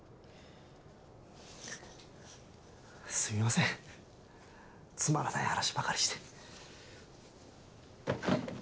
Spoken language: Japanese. すみませんつまらない話ばかりして。